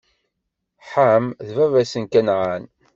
Ḥam, d baba-s n Kanɛan.